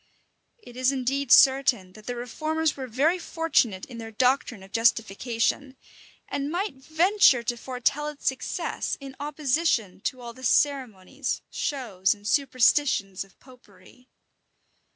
It is indeed certain, that the reformers were very fortunate in their doctrine of justification; and might venture to foretell its success, in opposition to all the ceremonies, shows, and superstitions of Popery.